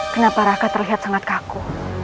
kenapa raka terlihat sangat kaku